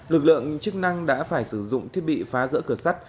lực lượng chức năng đã phải sử dụng thiết bị phá rỡ cửa sắt